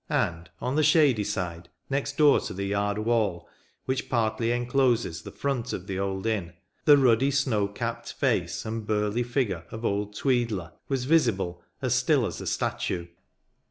And, on the shady side, next door to the yard wall, which partly encloses the front of the old inn, the ruddy, snow capped face, and burly figure of " Old Tweedler" was visible, as still as a statue.